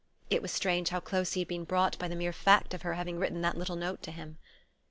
It was strange how close he had been brought by the mere fact of her having written that little note to him!